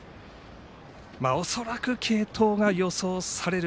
恐らく、継投が予想される